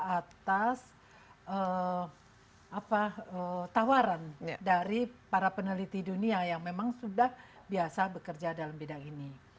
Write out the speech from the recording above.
atas tawaran dari para peneliti dunia yang memang sudah biasa bekerja dalam bidang ini